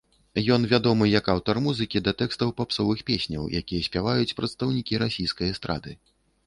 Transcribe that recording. Ён вядомы як аўтар музыкі да тэкстаў папсовых песняў, якія спяваюць прадстаўнікі расійскай эстрады.